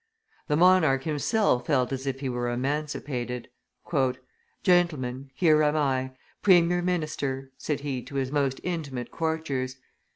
The monarch himself felt as if he were emancipated. "Gentlemen, here am I premier minister!" said he to his most intimate courtiers.